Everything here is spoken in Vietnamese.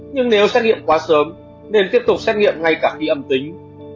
nhưng nếu xét nghiệm quá sớm nên tiếp tục xét nghiệm ngay cả khi âm tính